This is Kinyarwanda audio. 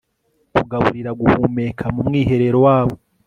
kugaburira guhumeka mu mwiherero wabo